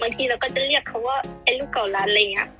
ทีเราก็จะเรียกเขาว่าไอ้ลูกเก่าลันอะไรอย่างนี้